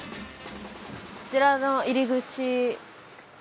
こちらの入り口。